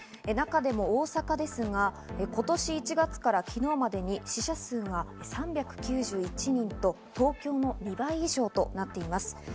中でも大阪ですが、今年１月から昨日までに死者数が３９１人と東京の２倍以上となっています。